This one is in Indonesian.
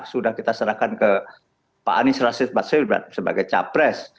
sudah kita serahkan ke pak anies rasif baswil sebagai cawapres